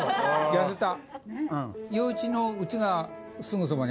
痩せた。